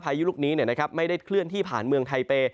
ยุลูกนี้ไม่ได้เคลื่อนที่ผ่านเมืองไทเปย์